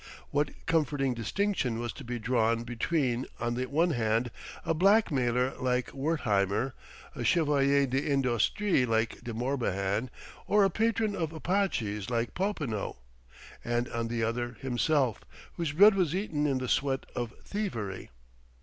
What comforting distinction was to be drawn between on the one hand a blackmailer like Wertheimer, a chevalier d'industrie like De Morbihan, or a patron of Apaches like Popinot, and on the other himself whose bread was eaten in the sweat of thievery?